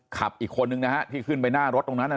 อีกคนนึงนะฮะที่ขึ้นไปหน้ารถตรงนั้น